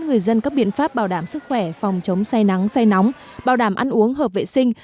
người dân các biện pháp bảo đảm sức khỏe phòng chống say nắng say nóng bảo đảm ăn uống hợp vệ sinh